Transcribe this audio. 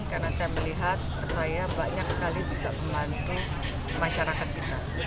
karena saya melihat saya banyak sekali bisa membantu masyarakat kita